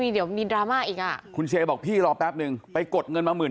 เออเดี๋ยวมันมีดราม่าอีกอ่ะคุณเชบอกที่รอแป๊บหนึ่งไปกดเงินมา๑๗๐๐๐